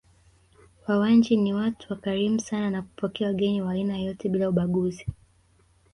Wawanji ni watu wakarimu sana na kupokea wageni wa aina yoyote bila ubaguzi